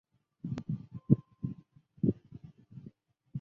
宝治元年继承青莲院门迹。